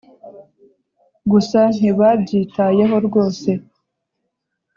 gusa ntibabyitayeho rwose